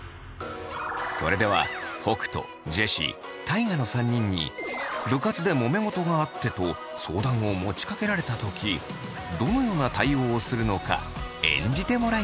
それでは北斗ジェシー大我の３人に部活でもめ事があってと相談を持ちかけられた時どのような対応をするのか演じてもらいます。